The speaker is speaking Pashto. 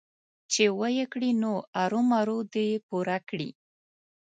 چې ويې کړي نو ارومرو دې يې پوره کړي.